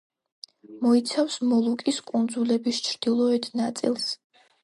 მოიცავს მოლუკის კუნძულების ჩრდილოეთ ნაწილს.